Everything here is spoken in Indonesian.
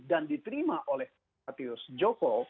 dan diterima oleh mateus joko